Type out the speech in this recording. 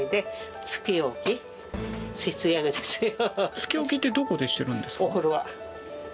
つけ置きってどこでしてるんですか？